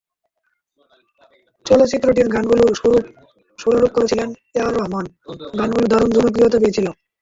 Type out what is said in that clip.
চলচ্চিত্রটির গানগুলোর সুরারোপ করেছিলেন এ আর রহমান, গানগুলো দারুণ জনপ্রিয়তা পেয়েছিলো।